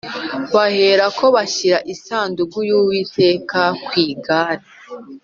Baherako bashyira isanduku y Uwiteka ku igare